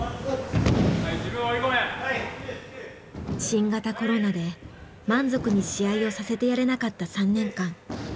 新型コロナで満足に試合をさせてやれなかった３年間。